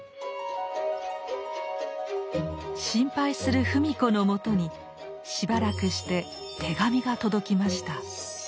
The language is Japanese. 心配する芙美子の元にしばらくして手紙が届きました。